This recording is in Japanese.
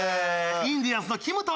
インディアンスのきむと。